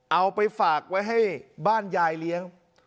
เอาไปฝากไว้ให้บ้านยายเลี้ยง